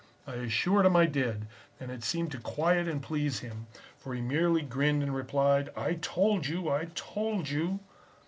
"I assured him I did, and it seemed to quiet and please him, for he merely grinned and replied: "'I told you! I told you!'